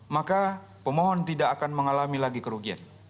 maka pemohon tidak akan mengalami lagi kerugian